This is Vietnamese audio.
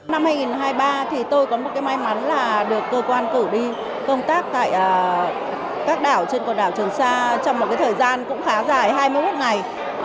năm hai nghìn hai mươi ba thì tôi có một cái may mắn là được cơ quan cử đi công tác tại các đảo trên quần đảo trường sa trong một thời gian cũng khá dài hai mươi một ngày